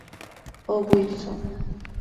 O. Wilson.